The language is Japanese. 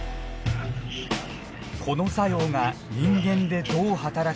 この作用が人間でどう働くのか。